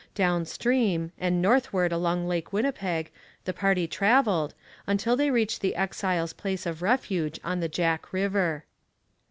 Down stream, and northward along Lake Winnipeg, the party travelled, until they reached the exiles' place of refuge on the Jack river.